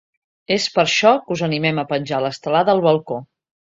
És per això que us animem a penjar l’estelada al balcó.